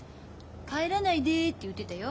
帰らないでって言ってたよ。